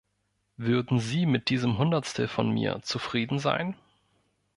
Würden Sie mit diesem Hundertstel von mir zufrieden sein?